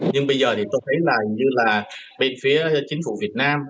nhưng bây giờ thì tôi thấy rằng như là bên phía chính phủ việt nam